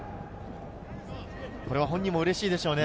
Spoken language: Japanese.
本人もうれしいでしょうね。